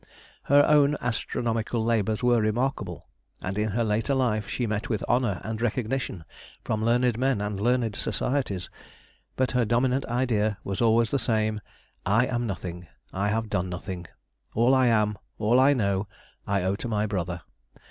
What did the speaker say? Her own astronomical labours were remarkable, and in her later life she met with honour and recognition from learned men and learned societies; but her dominant idea was always the same—"I am nothing, I have done nothing; all I am, all I know, I owe to my brother.